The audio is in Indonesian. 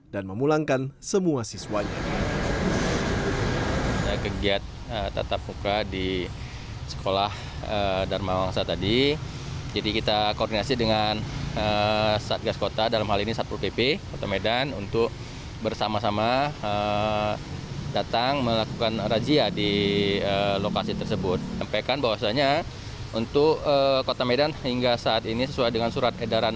dan memulangkan semua siswanya